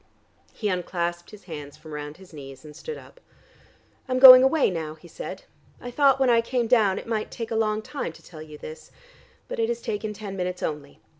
He unclasped his hands from round his knees, and stood up. "I'm going away now," he said. "I thought when I came down it might take a long time to tell you this. But it has taken ten minutes only.